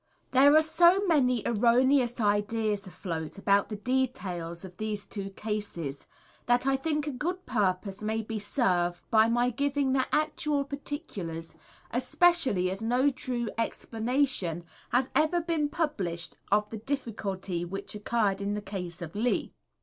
There are so many erroneous ideas afloat about the details of these two cases that I think a good purpose may be served by giving the actual particulars, especially as no true explanation has ever been published of the difficulty which occurred in the case of Lee.